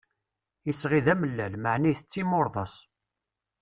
Isɣi d amellal, meεna itett imurḍas.